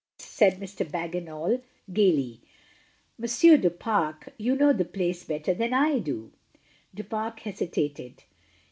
said Mr. Bagginal gaily. "M. du Pare, you know the place better than I do." Du Pare hesitated.